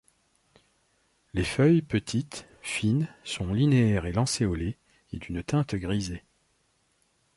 Les feuilles, petites, fines, sont linéaires et lancéolées et d'une teinte grisée.